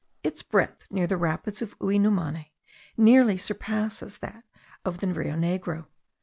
Its breadth, near the rapids of Uinumane, almost surpasses that of the Rio Negro.